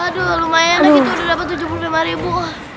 aduh lumayan lagi tuh udah dapet tujuh puluh lima ribu